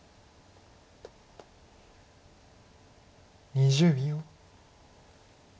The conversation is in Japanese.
２０秒。